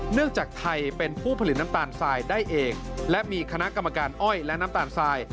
จากไทยเป็นผู้ผลิตน้ำตาลทรายได้เองและมีคณะกรรมการอ้อยและน้ำตาลทราย